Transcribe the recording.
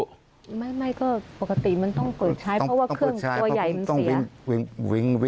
ไม่ก็ปกติมันต้องเปิดใช้เพราะว่าเครื่องตัวใหญ่มันเสีย